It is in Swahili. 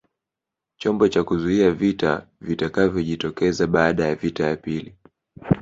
Chombo cha kuzuia vita vitakavyojitokeza baada ya vita ya pili